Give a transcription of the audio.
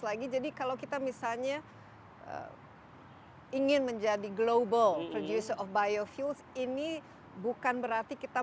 lagi jadi kalau kita misalnya ingin menjadi global produce of biofuels ini bukan berarti kita